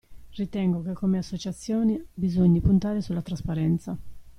Ritengo che come associazione bisogni puntare sulla trasparenza.